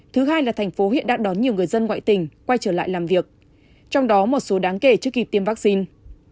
thứ hai là tp hcm hiện đang đón nhiều người dân ngoại tỉnh quay trở lại làm việc trong đó một số đáng kể chưa kịp tiêm vaccine